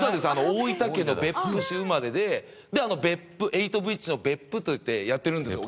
大分県の別府市生まれでエイトブリッジの別府といってやってるんですよ